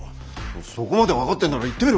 そこまで分かってんなら言ってみろ。